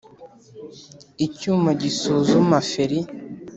icyuma gisuzuma feri